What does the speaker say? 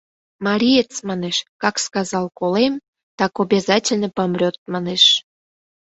— Мариец, манеш, как сказал «колем», так обязательно помрёт, манеш.